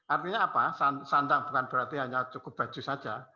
artinya apa sandang bukan berarti hanya cukup baju saja